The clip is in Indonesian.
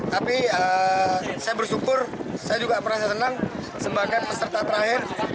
tapi saya bersyukur saya juga merasa senang sebagai peserta terakhir